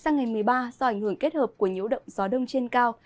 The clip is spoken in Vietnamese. sang ngày một mươi ba do ảnh hưởng kết hợp của nhiễu động gió đông trên cao